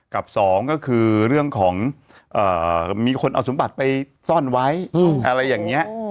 กับสองก็คือเรื่องของมีคนเอาสมบัติไปซ่อนไว้อะไรอย่างนี้